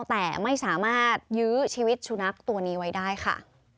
แต่ไม่สามารถยื้อชีวิตสุนัขตัวนี้ไว้ได้ค่ะ